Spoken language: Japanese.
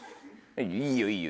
いいよいいよ。